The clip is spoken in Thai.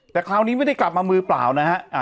แต่คราวนี้ไม่ได้กลับมามือเปล่านะฮะ